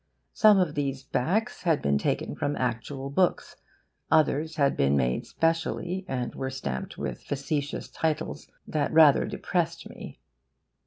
Some of these backs had been taken from actual books, others had been made specially and were stamped with facetious titles that rather depressed me.